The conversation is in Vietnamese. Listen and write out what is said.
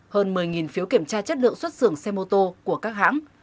hơn một mươi phiếu kiểm tra chất lượng xuất xưởng xe mô tô của các hãng